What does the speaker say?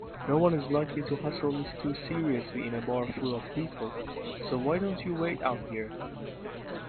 Noone is likely to hassle me too seriously in a bar full of people, so why don't you wait out here?